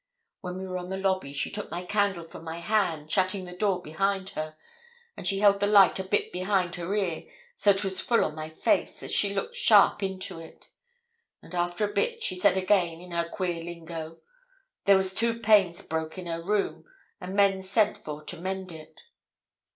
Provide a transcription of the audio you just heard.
'When we were on the lobby, she took my candle from my hand, shutting the door behind her, and she held the light a bit behind her ear; so'twas full on my face, as she looked sharp into it; and, after a bit, she said again, in her queer lingo there was two panes broke in her room, and men sent for to mend it.